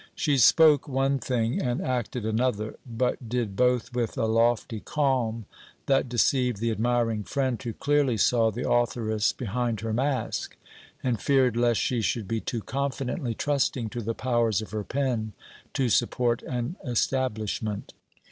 She spoke one thing and acted another, but did both with a lofty calm that deceived the admiring friend who clearly saw the authoress behind her mask, and feared lest she should be too confidently trusting to the powers of her pen to support an establishment.